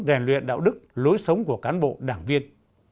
rèn luyện đạo đức lối sống của cán bộ đảng viên